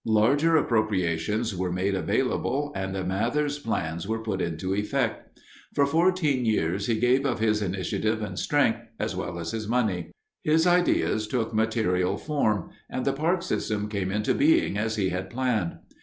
Larger appropriations were made available, and Mather's plans were put into effect. For fourteen years he gave of his initiative and strength, as well as his money. His ideas took material form, and the park system came into being as he had planned.